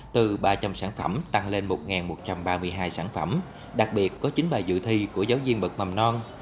từ ba trăm linh sản phẩm tăng lên một một trăm ba mươi hai sản phẩm đặc biệt có chín bài dự thi của giáo viên bậc mầm non